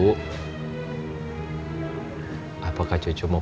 nikah apa lu itu acara bantuan kamu